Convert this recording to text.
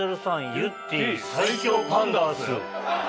ゆってぃ埼京パンダース。